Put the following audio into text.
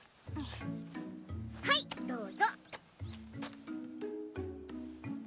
はいどうぞ。